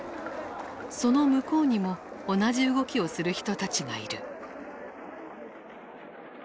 その向こうにも同じ動きをする人たちがいる。